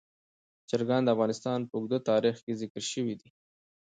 چرګان د افغانستان په اوږده تاریخ کې ذکر شوي دي.